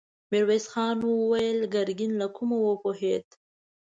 ميرويس خان ورو وويل: ګرګين له کومه وپوهېد؟